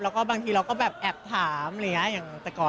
แล้วก็บางทีเราก็แบบแอบถามอย่างแต่ก่อน